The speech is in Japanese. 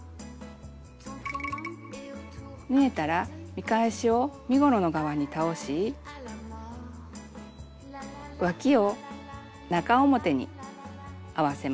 縫えたら見返しを身ごろの側に倒しわきを中表に合わせます。